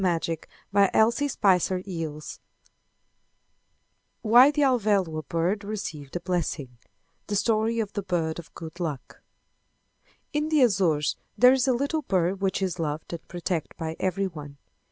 [Illustration: Headpiece] WHY THE ALVÉLOA BIRD RECEIVED A BLESSING The Story of the Bird of Good Luck In the Azores there is a little bird which is loved and protected by every one.